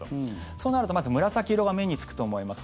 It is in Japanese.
そうなるとまず紫色が目につくと思います。